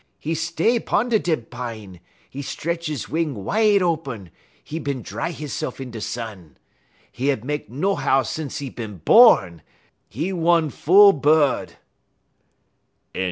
'E stay 'pon da dead pine; 'e 'tretch 'e wing wide open; 'e bin dry hisse'f in da sun. 'E hab mek no house sence 'e bin born. 'E one fool bud."